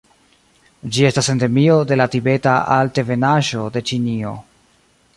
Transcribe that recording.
Ĝi estas endemio de la Tibeta Altebenaĵo de Ĉinio.